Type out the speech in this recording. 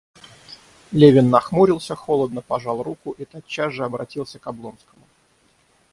Левин нахмурился, холодно пожал руку и тотчас же обратился к Облонскому.